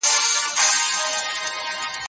دوی به ليدای سو .